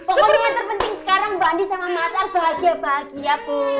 pokoknya yang terpenting sekarang mbak andi sama mas ar bahagia bahagia bu